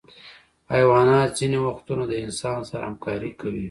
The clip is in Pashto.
حیوانات ځینې وختونه د انسان سره همکاري کوي.